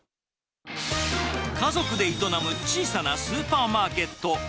家族で営む小さなスーパーマーケット。